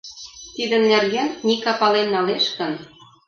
Тидын нерген Ника пален налеш гын...